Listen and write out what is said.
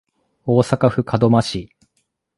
大阪府門真市